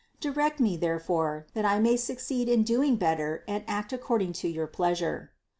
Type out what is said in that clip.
Direct me therefore, that I may succeed in doing better and act according to your pleasure.